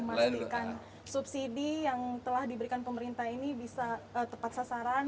memastikan subsidi yang telah diberikan pemerintah ini bisa tepat sasaran